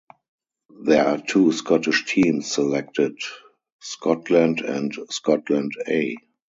There are two Scottish teams selected: "Scotland" and "Scotland A".